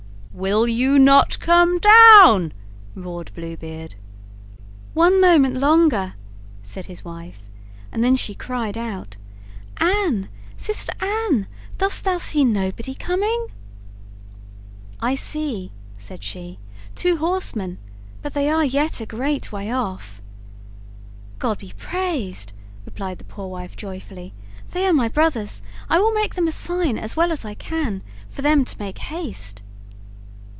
"Will you not come down?' roared Blue Beard. "One moment longer," said his wife, and then she cried out: "Anne, sister Anne, dost thou see nobody coming?" "I see," said she, "two horsemen, but they are yet a great way off." "God be praised!" replied the poor wife joyfully; "they are my brothers; I will make them a sign, as well as I can, for them to make haste."